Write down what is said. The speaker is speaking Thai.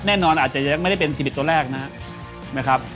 แน่นอนอาจจะไม่ได้เป็นสิบิตตัวแรกนะครับ